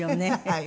はい。